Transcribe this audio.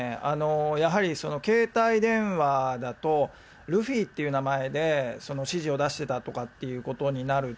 やはり携帯電話だと、ルフィっていう名前で指示を出してたということになると、